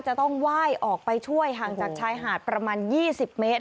จะต้องไหว้ออกไปช่วยห่างจากชายหาดประมาณ๒๐เมตร